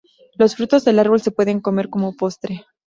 Los frutos del árbol se pueden comer como postre.